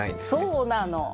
そうなの。